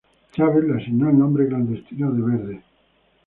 Chávez le asignó el nombre clandestino de "Verde".